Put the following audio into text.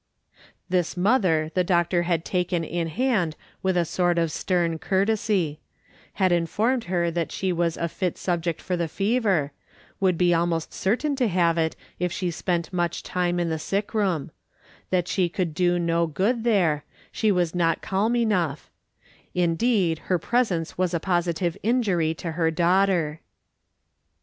This mother the doctor had taken in hand with a sort of stern courtesy ; had informed her that she was a fit subject for the fever, would be almost cer tain to have it if she spent much time in the sick room ; that slie could do no good there, she was not calm enough ; indeed, her presence was a positive injury to her daughter.